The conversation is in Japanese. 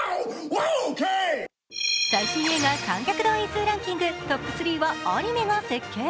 最新映画観客動員数ランキングトップ３はアニメが席巻。